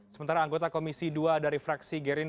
sementara anggota komisi dua dari fraksi gerindra